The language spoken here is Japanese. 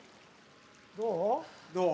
どう？